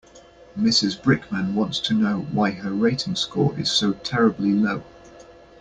Mrs Brickman wants to know why her rating score is so terribly low.